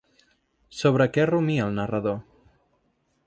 Sobre què rumia el narrador?